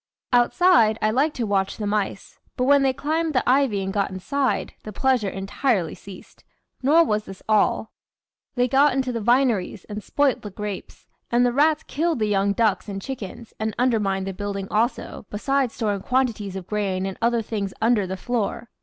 Outside, I liked to watch the mice; but when they climbed the ivy and got inside, the pleasure entirely ceased. Nor was this all; they got into the vineries and spoilt the grapes, and the rats killed the young ducks and chickens, and undermined the building also, besides storing quantities of grain and other things under the floor.